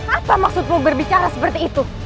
apa maksudmu berbicara seperti itu